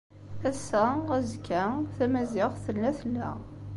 Ass-a, azekka, tamaziɣt tella, tella.